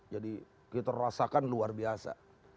jadi kita rasakan luar biasa